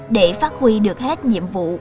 để phát huy được hết nhiệm vụ